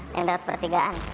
yang dekat pertigaan